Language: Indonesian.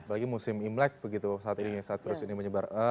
apalagi musim imlek begitu saat ini menyebar